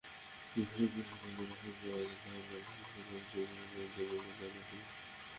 বৈশ্বিক পিসির বাজারে সর্বোচ্চ বাজার দখল করে শীর্ষে রয়েছে চীনের প্রযুক্তিপণ্য নির্মাতা লেনোভো।